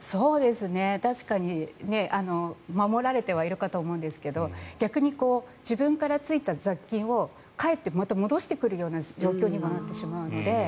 確かに守られてはいるかと思うんですが逆に、自分からついた雑菌をかえって戻してくるような状況にもなってしまうので。